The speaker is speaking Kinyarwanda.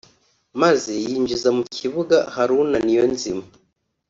maze yinjiza mu kibuga Haruna Niyonzima